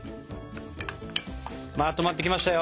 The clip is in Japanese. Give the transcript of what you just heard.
まとまってきましたよ。